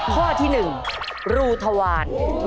ข้อที่๑รูทวาร